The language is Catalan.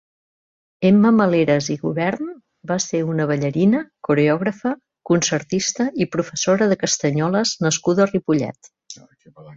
Emma Maleras i Gobern va ser una ballarina, coreògrafa, concertista i professora de castanyoles nascuda a Ripollet.